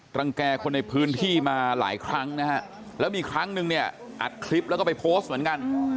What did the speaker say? รังแก่คนในพื้นที่มาหลายครั้งนะฮะแล้วมีครั้งนึงเนี่ยอัดคลิปแล้วก็ไปโพสต์เหมือนกัน